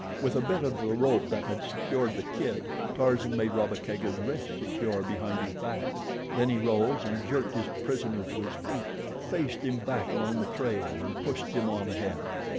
With a bit of the rope that had secured the kid, Tarzan made Rabba Kega's wrists secure behind his back, then he rose and jerked his prisoner to his feet, faced him back along the trail and pushed him on ahead.